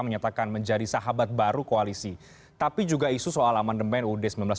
menyatakan menjadi sahabat baru koalisi tapi juga isu soal aman demen uud seribu sembilan ratus empat puluh lima